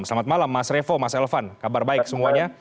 selamat malam mas revo mas elvan kabar baik semuanya